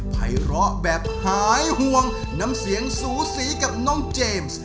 ภัยร้อแบบหายห่วงน้ำเสียงสูสีกับน้องเจมส์